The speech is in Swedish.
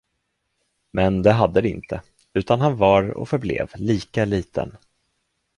Men det hade det inte, utan han var och förblev lika liten.